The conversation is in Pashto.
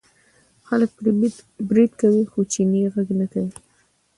خلک پرې برید کوي خو چینی غږ نه کوي.